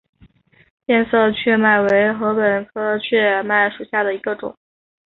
变色雀麦为禾本科雀麦属下的一个种。